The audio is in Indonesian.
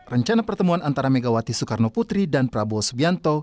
rencana pertemuan antara megawati soekarno putri dan prabowo subianto